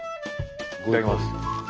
いただきます。